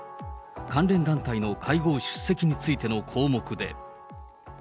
関連団体の会合出席についての項目で。